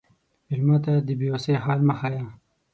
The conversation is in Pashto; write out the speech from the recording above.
مېلمه ته د بې وسی حال مه ښیه.